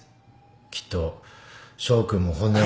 きっと翔君も本音は。